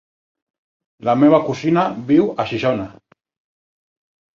La meva cosina viu a Xixona.